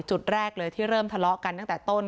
จุดแรกเลยที่เริ่มทะเลาะกันตั้งแต่ต้น